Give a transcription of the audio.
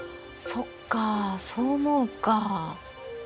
そっかそう思うか。